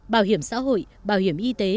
bảo hiểm xã hội bảo hiểm y tế